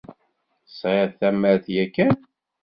Tesεiḍ tamart yakan?